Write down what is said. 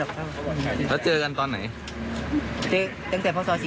คืนนี้ก็ไปอยู่ภูเกียรติกมั่งทุลาสมั่ง